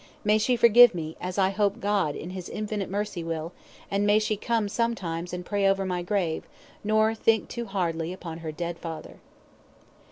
May she forgive me, as I hope God in His infinite mercy will, and may she come sometimes and pray over my grave, nor think too hardly upon her dead father."